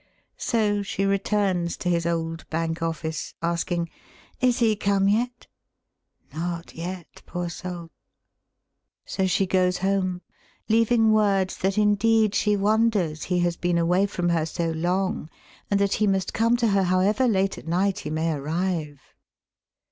So she returns to his old Bank office, asking " Is he come yet 1 " Not yet, poor soul ! So she goes home, leaving word that indeed she wonders he has been away from her so long, and that he must come to her however late at night he may arrive.